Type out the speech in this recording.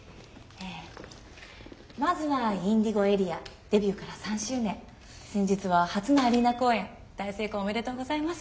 まずはＩｎｄｉｇｏＡＲＥＡデビューから３周年先日は初のアリーナ公演大成功おめでとうございます。